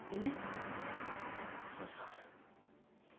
母さん。